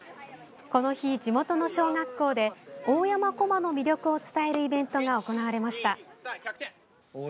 この日、地元の小学校で大山こまの魅力を伝えるイベントが行われました。